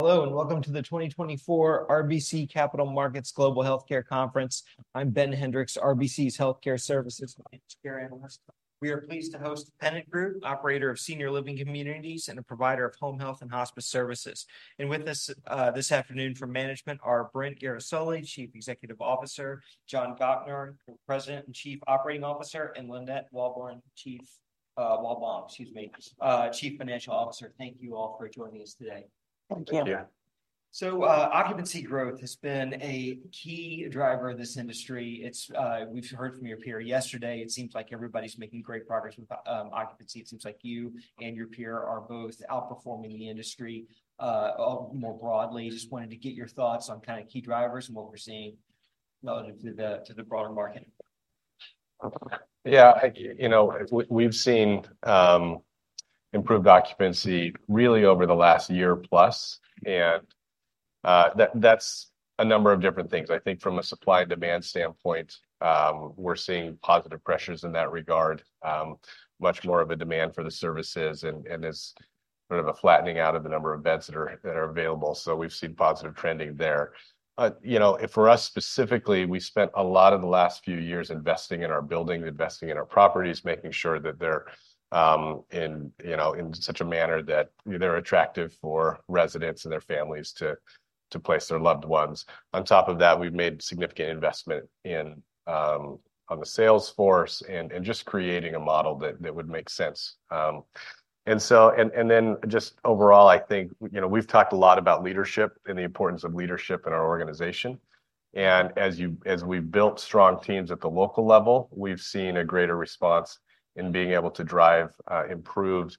Hello, and welcome to the 2024 RBC Capital Markets Global Healthcare Conference. I'm Ben Hendrix, RBC's Healthcare Services and Healthcare Analyst. We are pleased to host The Pennant Group, operator of senior living communities, and a provider of home health and hospice services. With us this afternoon from management are Brent Guerisoli, Chief Executive Officer, John Gochnour, the President and Chief Operating Officer, and Lynette Walbom, Chief Financial Officer. Thank you all for joining us today. Thank you. Thank you. So, occupancy growth has been a key driver of this industry. It's, we've heard from your peer yesterday, it seems like everybody's making great progress with occupancy. It seems like you and your peer are both outperforming the industry, more broadly. Just wanted to get your thoughts on kind of key drivers and what we're seeing relative to the broader market. Yeah, I, you know, we, we've seen improved occupancy really over the last year plus, and that, that's a number of different things. I think from a supply and demand standpoint, we're seeing positive pressures in that regard, much more of a demand for the services, and, and there's sort of a flattening out of the number of beds that are available, so we've seen positive trending there. You know, for us specifically, we spent a lot of the last few years investing in our building, investing in our properties, making sure that they're in, you know, in such a manner that they're attractive for residents and their families to place their loved ones. On top of that, we've made significant investment in on the sales force and just creating a model that would make sense. Then just overall, I think, you know, we've talked a lot about leadership and the importance of leadership in our organization, and as we've built strong teams at the local level, we've seen a greater response in being able to drive improved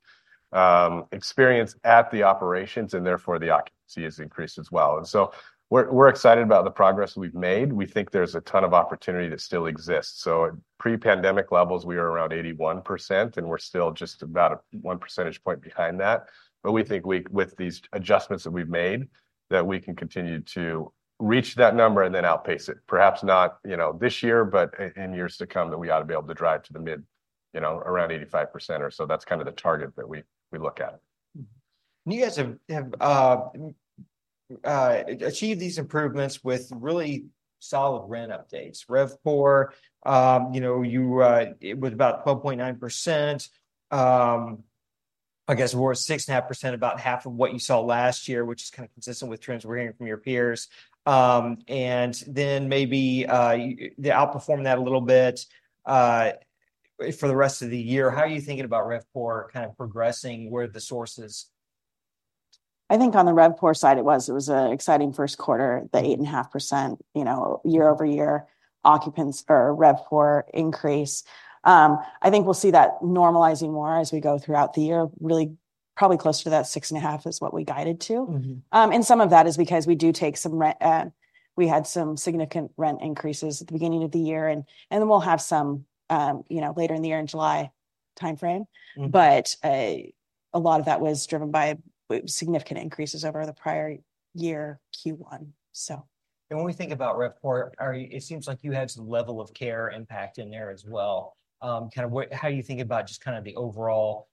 experience at the operations, and therefore, the occupancy has increased as well. And so we're excited about the progress we've made. We think there's a ton of opportunity that still exists. At pre-pandemic levels, we were around 81%, and we're still just about one percentage point behind that. But we think we, with these adjustments that we've made, that we can continue to reach that number and then outpace it. Perhaps not, you know, this year, but in years to come, that we ought to be able to drive to the mid, you know, around 85% or so. That's kind of the target that we, we look at. And you guys have achieved these improvements with really solid rent updates. RevPOR, you know, it was about 12.9%. I guess we're at 6.5%, about half of what you saw last year, which is kind of consistent with trends we're hearing from your peers. And then maybe they outperform that a little bit for the rest of the year. How are you thinking about RevPOR kind of progressing, where are the sources? I think on the RevPOR side, it was an exciting first quarter, the 8.5%, you know, year-over-year occupancy or RevPOR increase. I think we'll see that normalizing more as we go throughout the year, really probably closer to that 6.5 is what we guided to. And some of that is because we had some significant rent increases at the beginning of the year, and then we'll have some, you know, later in the year, in July timeframe. But, a lot of that was driven by significant increases over the prior year, Q1, so... When we think about RevPOR, are you, it seems like you had some level of care impact in there as well. Kind of what, how are you thinking about just kind of the overall,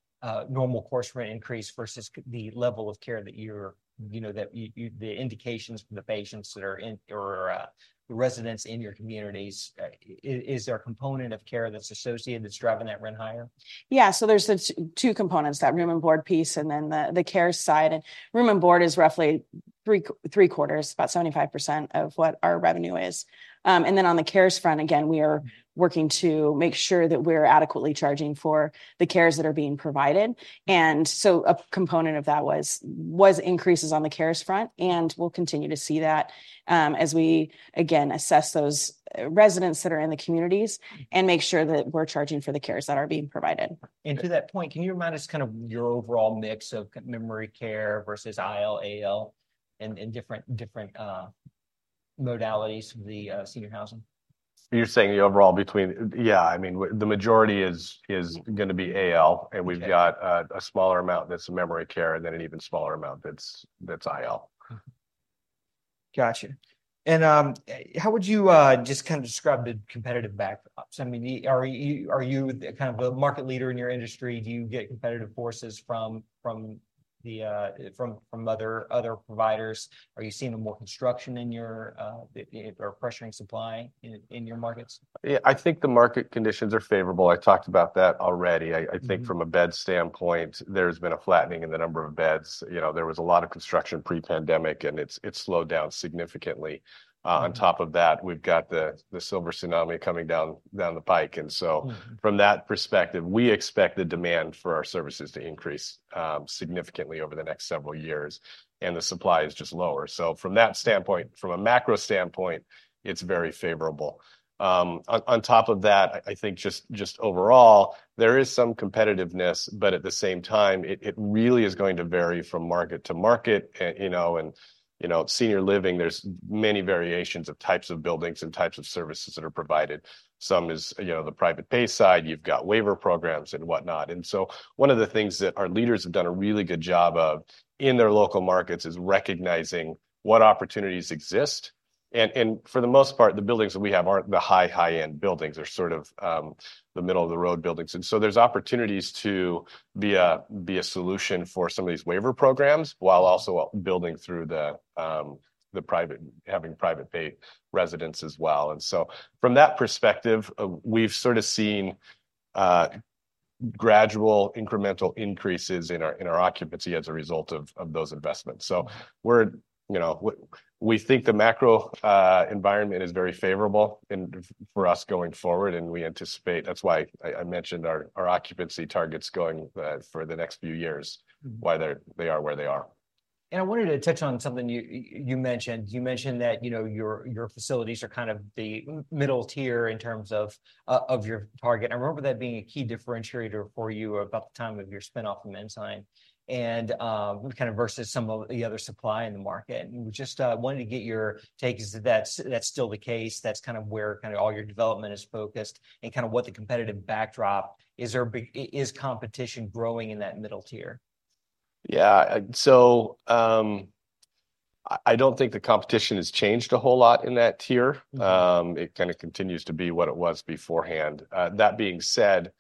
normal course rent increase versus the level of care that you're, you know, that you... The indications from the patients that are in, or, the residents in your communities, is there a component of care that's associated that's driving that rent higher? Yeah, so there's two components, that room and board piece, and then the care side. And room and board is roughly three-quarters, about 75% of what our revenue is. And then on the cares front, again, we are working to make sure that we're adequately charging for the cares that are being provided. And so a component of that was increases on the cares front, and we'll continue to see that, as we again assess those residents that are in the communities and make sure that we're charging for the cares that are being provided. To that point, can you remind us kind of your overall mix of memory care versus IL, AL, and different modalities of the senior housing? You're saying the overall between... Yeah, I mean, the majority is,... gonna be AL. Okay. We've got a smaller amount that's memory care, and then an even smaller amount that's IL. Gotcha. How would you just kind of describe the competitive backdrop? I mean, are you kind of a market leader in your industry? Do you get competitive forces from the other providers? Are you seeing more construction in your that are pressuring supply in your markets? Yeah, I think the market conditions are favorable. I talked about that already. I think from a bed standpoint, there's been a flattening in the number of beds. You know, there was a lot of construction pre-pandemic, and it's slowed down significantly. On top of that, we've got the Silver Tsunami coming down the pike. And so from that perspective, we expect the demand for our services to increase significantly over the next several years, and the supply is just lower. So from that standpoint, from a macro standpoint, it's very favorable. On top of that, I think just overall, there is some competitiveness, but at the same time, it really is going to vary from market to market. You know, senior living, there's many variations of types of buildings and types of services that are provided. Some, you know, the private pay side, you've got waiver programs, and whatnot. So one of the things that our leaders have done a really good job of in their local markets is recognizing what opportunities exist and, for the most part, the buildings that we have aren't the high-end buildings. They're sort of the middle-of-the-road buildings. So there's opportunities to be a solution for some of these waiver programs, while also building through the private, having private pay residents as well. So from that perspective, we've sort of seen gradual, incremental increases in our occupancy as a result of those investments. So we're, you know, we think the macro environment is very favorable for us going forward, and we anticipate... That's why I mentioned our occupancy targets going for the next few years, why they are where they are. And I wanted to touch on something you mentioned. You mentioned that, you know, your facilities are kind of the middle tier in terms of your target. I remember that being a key differentiator for you about the time of your spin-off from Ensign, and kind of versus some of the other supply in the market. And just wanted to get your take. Is that still the case? That's kind of where kind of all your development is focused, and kind of what the competitive backdrop? Is competition growing in that middle tier? Yeah. So, I don't think the competition has changed a whole lot in that tier. It kind of continues to be what it was beforehand. That being said,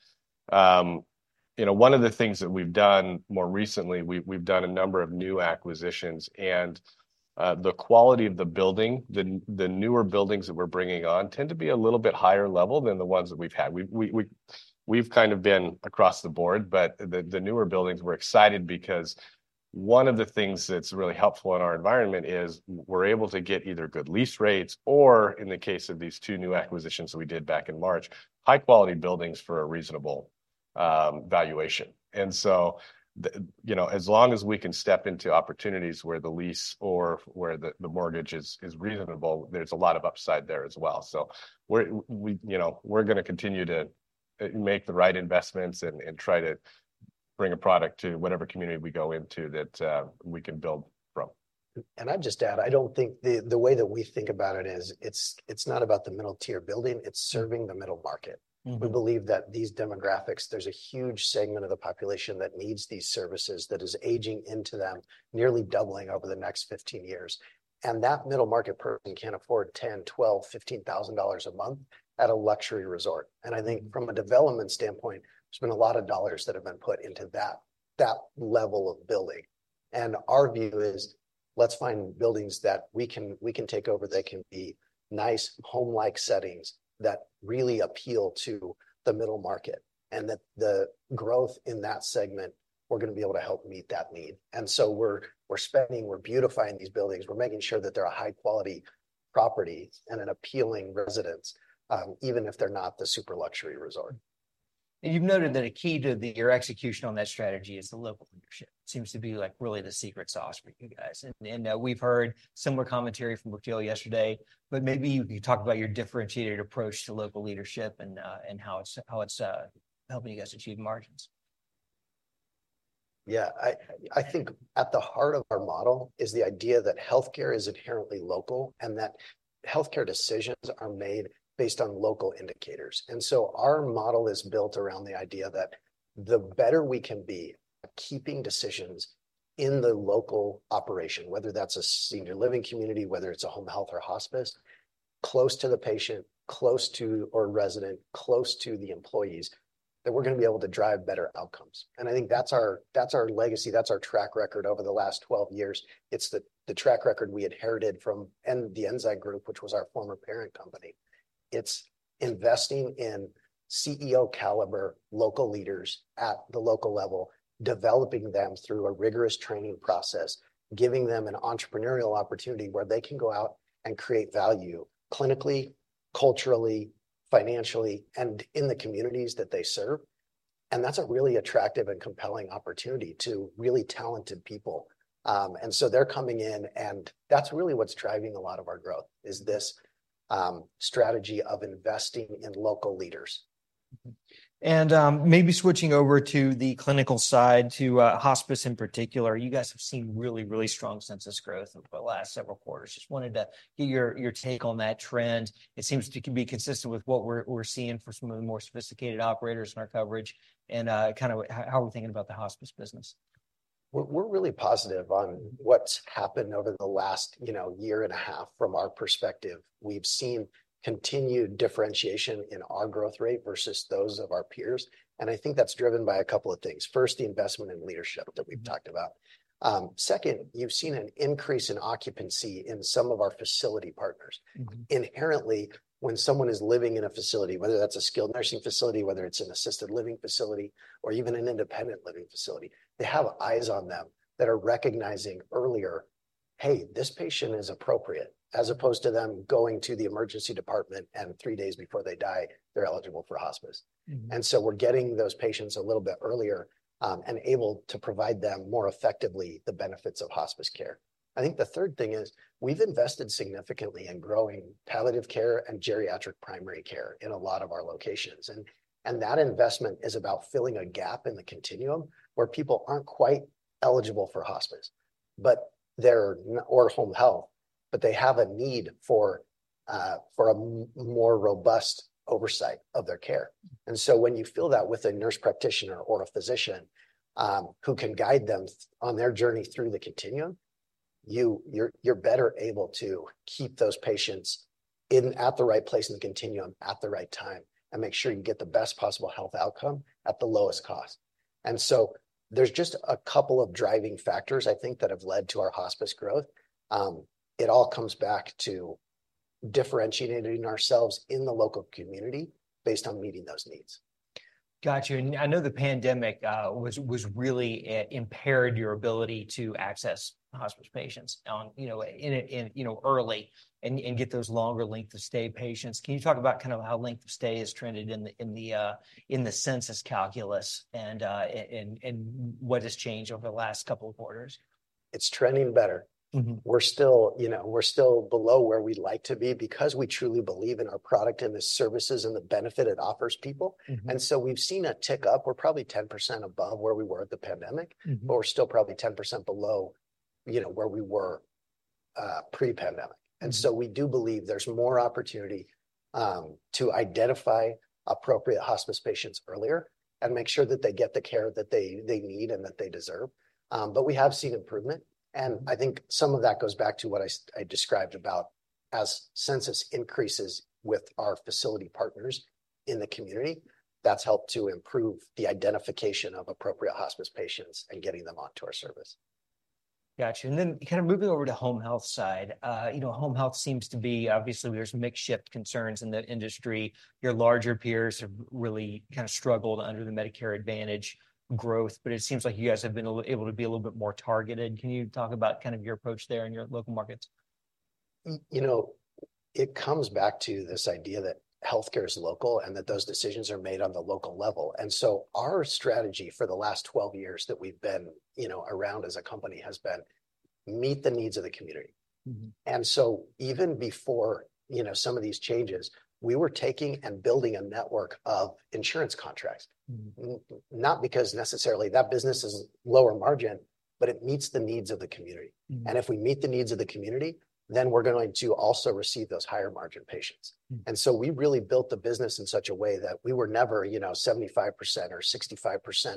you know, one of the things that we've done more recently, we've done a number of new acquisitions, and the quality of the building, the newer buildings that we're bringing on, tend to be a little bit higher level than the ones that we've had. We've kind of been across the board, but the newer buildings, we're excited because one of the things that's really helpful in our environment is we're able to get either good lease rates, or in the case of these two new acquisitions that we did back in March, high-quality buildings for a reasonable valuation. And so, you know, as long as we can step into opportunities where the lease or the mortgage is reasonable, there's a lot of upside there as well. So we're, you know, we're gonna continue to make the right investments and try to bring a product to whatever community we go into that we can build from. I'd just add, I don't think the way that we think about it is, it's not about the middle-tier building, it's serving the middle market. We believe that these demographics, there's a huge segment of the population that needs these services, that is aging into them, nearly doubling over the next 15 years. That middle-market person can't afford $10,000, $12,000, $15,000 a month at a luxury resort. I think from a development standpoint, there's been a lot of dollars that have been put into that, that level of building. Our view is, let's find buildings that we can, we can take over, that can be nice, home-like settings that really appeal to the middle market, and that the growth in that segment, we're gonna be able to help meet that need. So we're, we're spending, we're beautifying these buildings. We're making sure that they're a high-quality property and an appealing residence, even if they're not the super luxury resort. You've noted that a key to your execution on that strategy is the local leadership. Seems to be, like, really the secret sauce for you guys. And we've heard similar commentary from The Group yesterday, but maybe you could talk about your differentiated approach to local leadership and how it's helping you guys achieve margins. Yeah, I think at the heart of our model is the idea that healthcare is inherently local, and that healthcare decisions are made based on local indicators. So our model is built around the idea that the better we can be at keeping decisions in the local operation, whether that's a senior living community, whether it's a home health or hospice, close to the patient, close to our resident, close to the employees, that we're gonna be able to drive better outcomes. I think that's our legacy, that's our track record over the last 12 years. It's the track record we inherited from the Ensign Group, which was our former parent company. It's investing in CEO-caliber local leaders at the local level, developing them through a rigorous training process, giving them an entrepreneurial opportunity where they can go out and create value clinically, culturally, financially, and in the communities that they serve. And that's a really attractive and compelling opportunity to really talented people. And so they're coming in, and that's really what's driving a lot of our growth, is this strategy of investing in local leaders. And maybe switching over to the clinical side, to hospice in particular, you guys have seen really, really strong census growth over the last several quarters. Just wanted to get your take on that trend. It seems to be consistent with what we're seeing for some of the more sophisticated operators in our coverage. And kind of how we're thinking about the hospice business. We're really positive on what's happened over the last, you know, year and a half from our perspective. We've seen continued differentiation in our growth rate versus those of our peers, and I think that's driven by a couple of things. First, the investment in leadership that we've talked about. Second, you've seen an increase in occupancy in some of our facility partners. Inherently, when someone is living in a facility, whether that's a skilled nursing facility, whether it's an assisted living facility, or even an independent living facility, they have eyes on them that are recognizing earlier, "Hey, this patient is appropriate," as opposed to them going to the emergency department, and three days before they die, they're eligible for hospice. We're getting those patients a little bit earlier, and able to provide them more effectively the benefits of hospice care. I think the third thing is, we've invested significantly in growing palliative care and geriatric primary care in a lot of our locations. And that investment is about filling a gap in the continuum, where people aren't quite eligible for hospice, but they have a need for a more robust oversight of their care. So when you fill that with a nurse practitioner or a physician, who can guide them on their journey through the continuum, you're better able to keep those patients in at the right place in the continuum at the right time, and make sure you get the best possible health outcome at the lowest cost. There's just a couple of driving factors, I think, that have led to our hospice growth. It all comes back to differentiating ourselves in the local community based on meeting those needs. Gotcha. And I know the pandemic was really it impaired your ability to access hospice patients, you know, early, and get those longer length of stay patients. Can you talk about kind of how length of stay has trended in the census calculus, and what has changed over the last couple of quarters? It's trending better. We're still, you know, we're still below where we'd like to be, because we truly believe in our product, and the services, and the benefit it offers people. And so we've seen a tick up. We're probably 10% above where we were at the pandemic-... but we're still probably 10% below, you know, where we were pre-pandemic. We do believe there's more opportunity to identify appropriate hospice patients earlier, and make sure that they get the care that they need and that they deserve. We have seen improvement, and I think some of that goes back to what I described about as census increases with our facility partners in the community, that's helped to improve the identification of appropriate hospice patients and getting them onto our service. Gotcha. And then kind of moving over to home health side, you know, home health seems to be, obviously, there's mixed shift concerns in that industry. Your larger peers have really kind of struggled under the Medicare Advantage growth, but it seems like you guys have been a little, able to be a little bit more targeted. Can you talk about kind of your approach there in your local markets? You know, it comes back to this idea that healthcare is local, and that those decisions are made on the local level. And so our strategy for the last 12 years that we've been, you know, around as a company, has been: meet the needs of the community. And so even before, you know, some of these changes, we were taking and building a network of insurance contracts. Not because necessarily, that business is lower margin, but it meets the needs of the community. If we meet the needs of the community, then we're going to also receive those higher margin patients. And so we really built the business in such a way that we were never, you know, 75% or 65%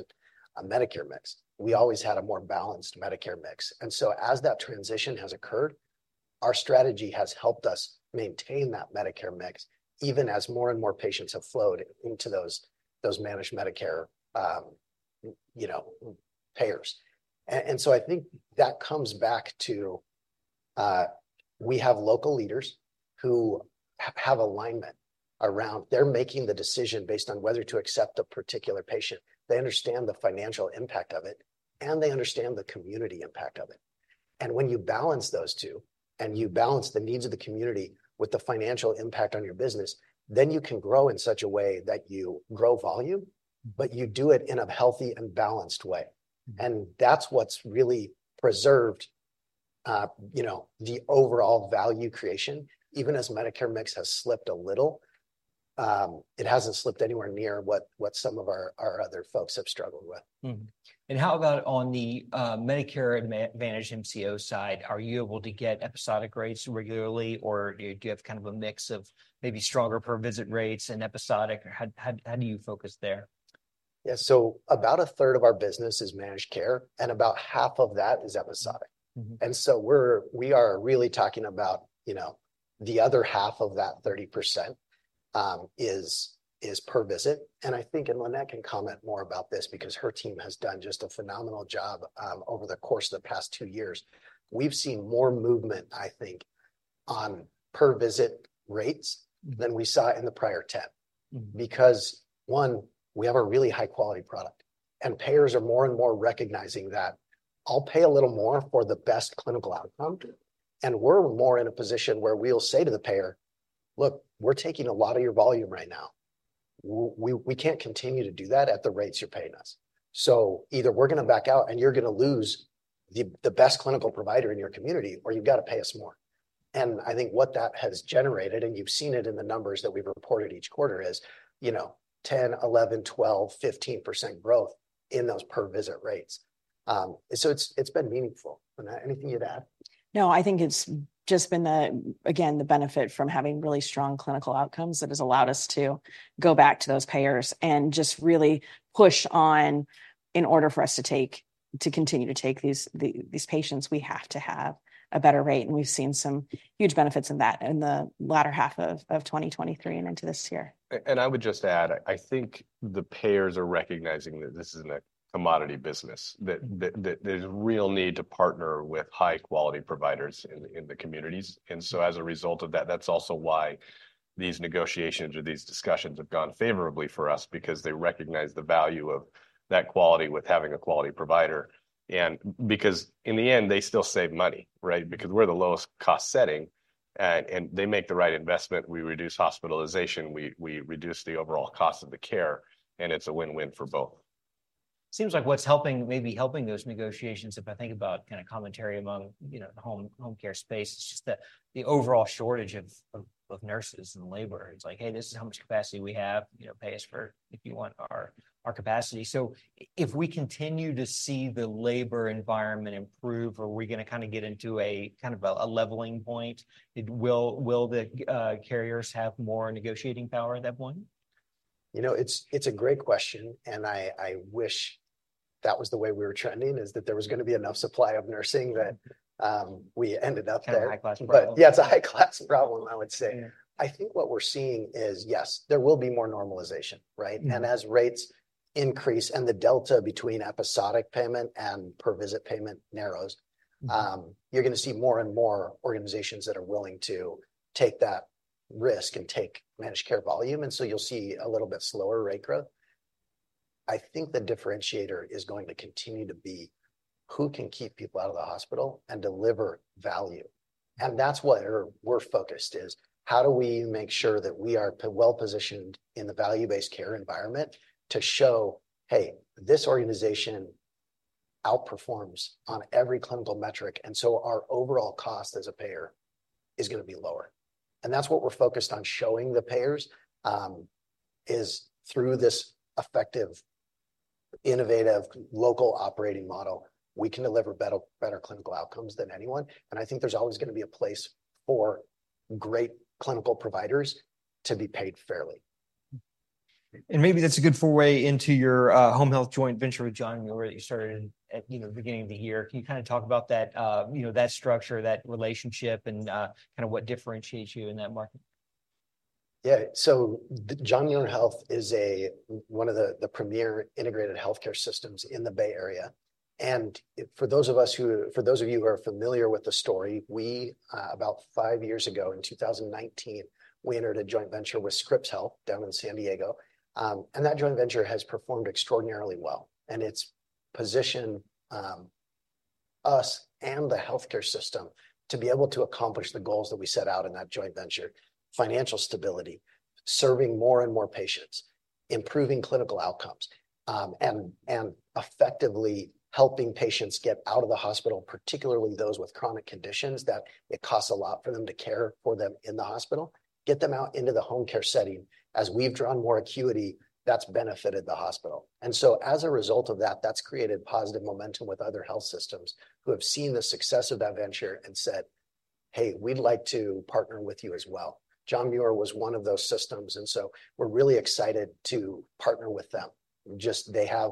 Medicare mix. We always had a more balanced Medicare mix. And so as that transition has occurred, our strategy has helped us maintain that Medicare mix, even as more and more patients have flowed into those managed Medicare, you know, payers. And so I think that comes back to, we have local leaders who have alignment around... They're making the decision based on whether to accept a particular patient. They understand the financial impact of it, and they understand the community impact of it. And when you balance those two, and you balance the needs of the community with the financial impact on your business, then you can grow in such a way that you grow volume-... but you do it in a healthy and balanced way. That's what's really preserved, you know, the overall value creation. Even as Medicare mix has slipped a little, it hasn't slipped anywhere near what some of our other folks have struggled with. How about on the Medicare Advantage MCO side? Are you able to get episodic rates regularly, or do you have kind of a mix of maybe stronger per visit rates and episodic? Or how do you focus there? Yeah, so about a third of our business is managed care, and about half of that is episodic. And so we are really talking about, you know, the other half of that 30% is per visit. And I think, and Lynette can comment more about this, because her team has done just a phenomenal job over the course of the past two years. We've seen more movement, I think, on per visit rates than we saw in the prior 10. Because, one, we have a really high-quality product, and payers are more and more recognizing that, "I'll pay a little more for the best clinical outcome. And we're more in a position where we'll say to the payer, "Look, we're taking a lot of your volume right now. We can't continue to do that at the rates you're paying us. So either we're gonna back out, and you're gonna lose the best clinical provider in your community, or you've got to pay us more." And I think what that has generated, and you've seen it in the numbers that we've reported each quarter, is, you know, 10, 11, 12, 15% growth in those per visit rates. So it's been meaningful. Lynette, anything you'd add? No, I think it's just been the, again, the benefit from having really strong clinical outcomes that has allowed us to go back to those payers and just really push on. In order for us to take, to continue to take these patients, we have to have a better rate, and we've seen some huge benefits in that in the latter half of 2023 and into this year. I would just add, I think the payers are recognizing that this isn't a commodity business. That there's a real need to partner with high-quality providers in the communities. And so as a result of that, that's also why these negotiations or these discussions have gone favorably for us, because they recognize the value of that quality with having a quality provider, and because in the end, they still save money, right? Because we're the lowest cost setting, and they make the right investment, we reduce hospitalization, we reduce the overall cost of the care, and it's a win-win for both. Seems like what's helping, maybe helping those negotiations, if I think about kind of commentary among, you know, the home care space, it's just the overall shortage of nurses and labor. It's like, "Hey, this is how much capacity we have, you know, pay us for if you want our capacity." So if we continue to see the labor environment improve, are we gonna kind of get into a kind of a leveling point? Will the carriers have more negotiating power at that point?... You know, it's a great question, and I wish that was the way we were trending, is that there was gonna be enough supply of nursing that we ended up there. Kind of a high-class problem. But yeah, it's a high-class problem, I would say. Yeah. I think what we're seeing is, yes, there will be more normalization, right? As rates increase, and the delta between episodic payment and per-visit payment narrows-... you're gonna see more and more organizations that are willing to take that risk and take managed care volume, and so you'll see a little bit slower rate growth. I think the differentiator is going to continue to be, who can keep people out of the hospital and deliver value? And that's what we're, we're focused, is how do we make sure that we are well-positioned in the value-based care environment to show, "Hey, this organization outperforms on every clinical metric, and so our overall cost as a payer is gonna be lower"? And that's what we're focused on showing the payers, is through this effective, innovative, local operating model, we can deliver better, better clinical outcomes than anyone. And I think there's always gonna be a place for great clinical providers to be paid fairly. Maybe that's a good full way into your home health joint venture with John Muir that you started at, you know, the beginning of the year. Can you kind of talk about that, you know, that structure, that relationship, and kind of what differentiates you in that market? Yeah. So the John Muir Health is one of the premier integrated healthcare systems in the Bay Area. And it—for those of you who are familiar with the story, we about five years ago in 2019, we entered a joint venture with Scripps Health down in San Diego. And that joint venture has performed extraordinarily well, and it's positioned us and the healthcare system to be able to accomplish the goals that we set out in that joint venture: financial stability, serving more and more patients, improving clinical outcomes, and effectively helping patients get out of the hospital, particularly those with chronic conditions, that it costs a lot for them to care for them in the hospital, get them out into the home care setting. As we've drawn more acuity, that's benefited the hospital. As a result of that, that's created positive momentum with other health systems who have seen the success of that venture and said, "Hey, we'd like to partner with you as well." John Muir was one of those systems, and so we're really excited to partner with them. Just, they have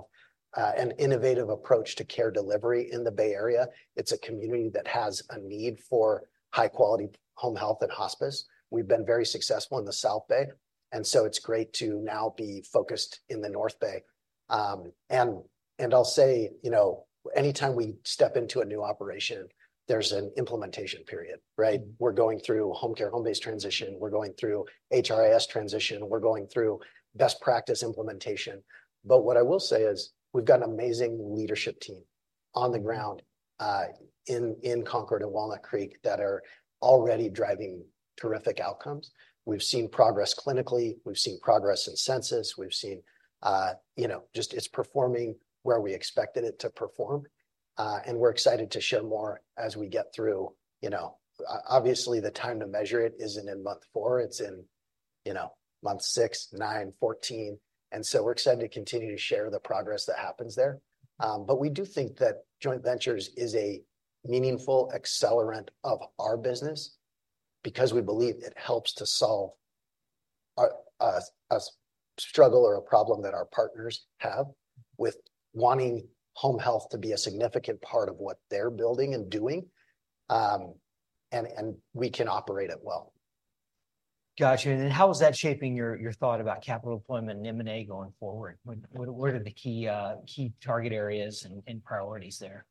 an innovative approach to care delivery in the Bay Area. It's a community that has a need for high-quality home health and hospice. We've been very successful in the South Bay, and so it's great to now be focused in the North Bay. I'll say, you know, anytime we step into a new operation, there's an implementation period, right? We're going through Homecare Homebase transition. We're going through HRIS transition. We're going through best practice implementation. But what I will say is, we've got an amazing leadership team on the ground, in, in Concord and Walnut Creek, that are already driving terrific outcomes. We've seen progress clinically. We've seen progress in census. We've seen, you know, just it's performing where we expected it to perform. And we're excited to share more as we get through. You know, obviously, the time to measure it isn't in month 4, it's in, you know, month 6, 9, 14, and so we're excited to continue to share the progress that happens there. But we do think that joint ventures is a meaningful accelerant of our business because we believe it helps to solve a struggle or a problem that our partners have with wanting home health to be a significant part of what they're building and doing. We can operate it well. Gotcha. And then how is that shaping your thought about capital deployment and M&A going forward? What are the key target areas and priorities there?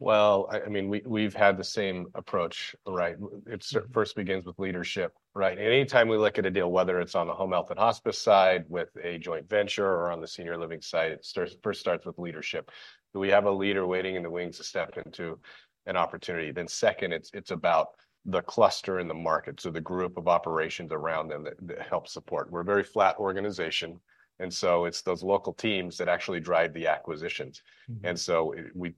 Well, I mean, we, we've had the same approach, right? It sort of first begins with leadership, right? And anytime we look at a deal, whether it's on the home health and hospice side with a joint venture or on the senior living side, it starts, first starts with leadership. Do we have a leader waiting in the wings to step into an opportunity? Then second, it's about the cluster in the market, so the group of operations around them that help support. We're a very flat organization, and so it's those local teams that actually drive the acquisitions. And so,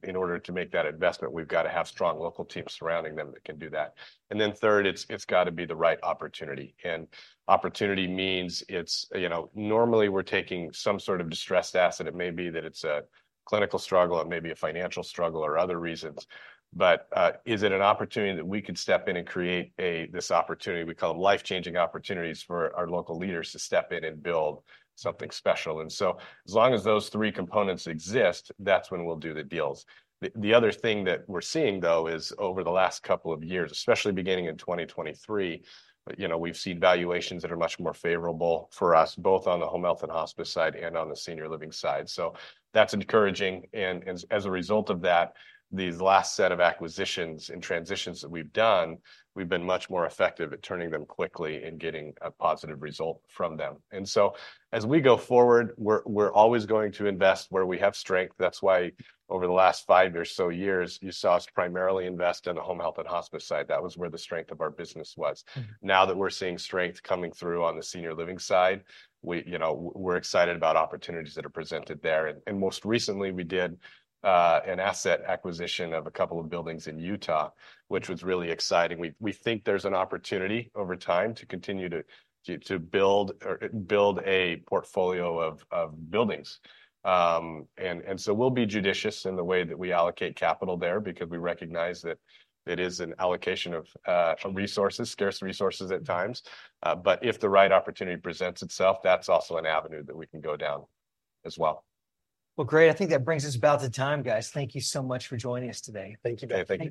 in order to make that investment, we've got to have strong local teams surrounding them that can do that. And then third, it's got to be the right opportunity, and opportunity means it's... You know, normally, we're taking some sort of distressed asset. It may be that it's a clinical struggle, it may be a financial struggle, or other reasons, but is it an opportunity that we could step in and create this opportunity, we call them life-changing opportunities, for our local leaders to step in and build something special? And so as long as those three components exist, that's when we'll do the deals. The other thing that we're seeing, though, is over the last couple of years, especially beginning in 2023, you know, we've seen valuations that are much more favorable for us, both on the home health and hospice side and on the senior living side, so that's encouraging. And as a result of that, these last set of acquisitions and transitions that we've done, we've been much more effective at turning them quickly and getting a positive result from them. And so as we go forward, we're always going to invest where we have strength. That's why over the last five or so years, you saw us primarily invest in the home health and hospice side. That was where the strength of our business was. Now that we're seeing strength coming through on the senior living side, we, you know, we're excited about opportunities that are presented there. And most recently, we did an asset acquisition of a couple of buildings in Utah, which was really exciting. We think there's an opportunity over time to continue to build a portfolio of buildings. And so we'll be judicious in the way that we allocate capital there because we recognize that it is an allocation of resources, scarce resources at times. But if the right opportunity presents itself, that's also an avenue that we can go down as well. Well, great. I think that brings us about to time, guys. Thank you so much for joining us today. Thank you, Ben. Thank you, Ben.